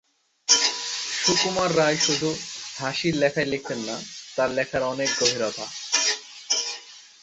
সুকুমার রায় শুধু হাসির লেখাই লিখতেন না তাঁর লেখার অনেক গভীরতা।